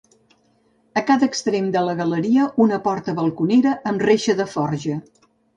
A cada extrem de la galeria una porta balconera amb reixa de forja.